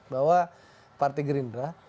bahwa partai gerindra